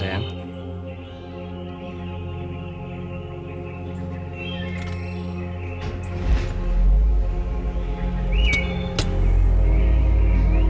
dan kemudian dibaca simpan